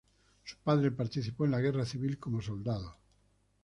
Su padre participó en la guerra Civil como soldado.